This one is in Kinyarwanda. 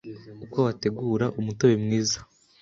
Uko wategura umutobe mwiza